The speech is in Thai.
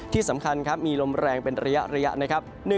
ที่สำคัญมีลมแรงเป็นระยะ